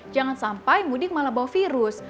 jangan sampai mudik malah bawa virus